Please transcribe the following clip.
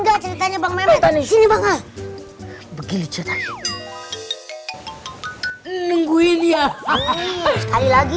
gak ceritanya bang mement ini banget begitu nungguin ya hahaha lagi